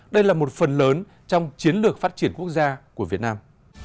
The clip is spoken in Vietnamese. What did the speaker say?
đây là một phần lớn trong chiến lược phát triển quốc gia của việt nam